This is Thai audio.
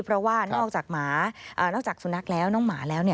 เพราะว่านอกจากสุนัขแล้วน้องหมาแล้ว